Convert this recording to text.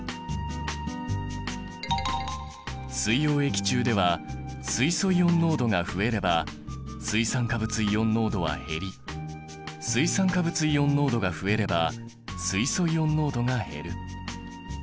水溶液中では水素イオン濃度が増えれば水酸化物イオン濃度は減り水酸化物イオン濃度が増えれば水素イオン濃度が減る。